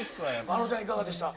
ａｎｏちゃんいかがでした？